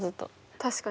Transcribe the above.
確かに。